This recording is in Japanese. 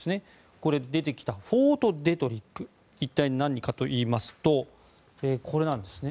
これ出てきたフォートデトリック一体何かといいますとこれなんですね。